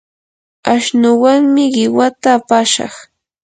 ashnuwanmi qiwata apashaq.